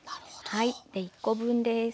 はい１コ分です。